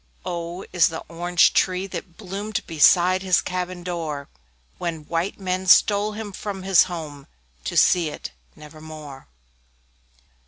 O O is the Orange tree, that bloomed Beside his cabin door, When white men stole him from his home To see it never more.